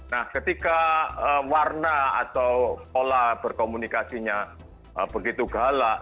nah ketika warna atau pola berkomunikasinya begitu galak